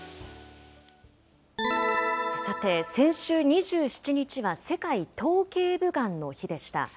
さて、先週２７日は世界頭けい部がんの日でした。